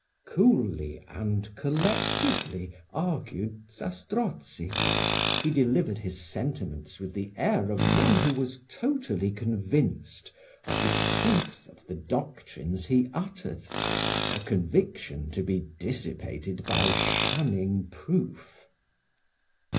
Coolly and collectedly argued Zastrozzi: he delivered his sentiments with the air of one who was wholly convinced of the truth of the doctrines he uttered, a conviction to be dissipated by shunning proof.